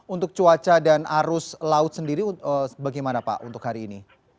untuk cuaca dan arus laut sendiri bagaimana pak untuk hari ini